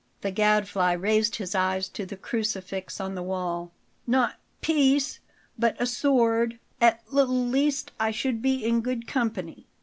The Gadfly raised his eyes to the crucifix on the wall. "'Not peace, but a sword'; at l least I should be in good company.